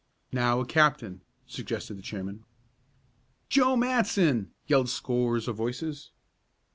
"Now a captain," suggested the chairman. "Joe Matson!" yelled scores of voices.